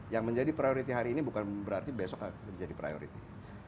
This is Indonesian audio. yang menjadi priority hari ini bukan berarti besok menjadi priority